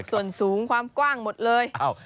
ส่วนสูงความกว้างหมดเลย